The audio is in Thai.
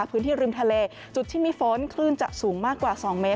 พื้นที่ริมทะเลจุดที่มีฝนคลื่นจะสูงมากกว่า๒เมตร